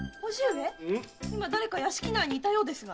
今誰か屋敷内にいたようですが？